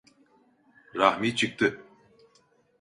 Rahmi çıktı.